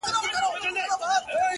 ستا پر ځنگانه اكثر؛